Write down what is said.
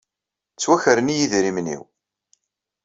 Ttwakren-iyi yidrimen-inu.